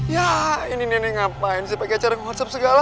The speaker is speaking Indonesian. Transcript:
ya ini nenek ngapain sih pakai cara konsep segala